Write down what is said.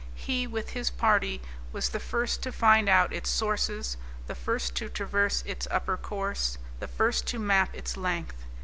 He, with his party, was the first to find out its sources, the first to traverse its upper course, the first to map its length.